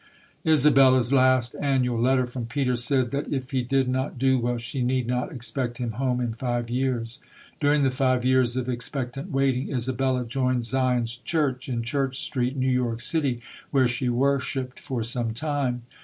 Isabella's last annual letter from Peter said that if he did not do well, she need not expect him home in five years. During the five years of ex pectant waiting, Isabella joined Zion's Church, in Church Street, New York City, where she wor shiped for some time.